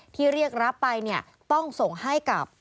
ที่เรียกรับไปเนี่ยต้องส่งให้กับ